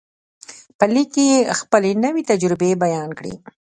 په لیک کې یې خپلې نوې تجربې بیان کړې